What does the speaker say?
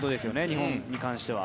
日本に関しては。